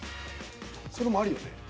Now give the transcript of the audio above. それもありよね。